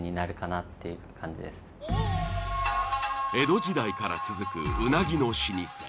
江戸時代から続くうなぎの老舗。